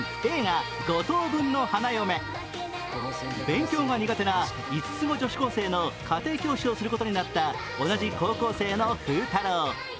勉強が苦手な５つ子女子高生の家庭教師をすることになった同じ高校生の風太郎。